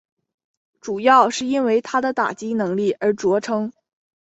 主要是因为他的打击能力而着称。